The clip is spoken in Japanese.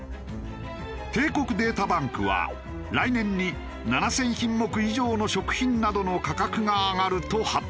帝国データバンクは来年に７０００品目以上の食品などの価格が上がると発表。